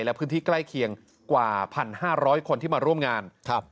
และพื้นที่ใกล้เคียงกว่า๑๕๐๐คนที่มาร่วมงานครับ